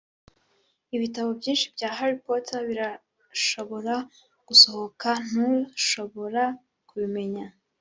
ibitabo byinshi bya harry potter birashobora gusohoka, ntushobora kubimenya.